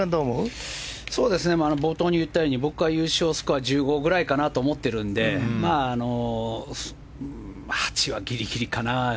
冒頭に言ったように僕は優勝スコアが１５くらいかなと思っているので８はギリギリかな。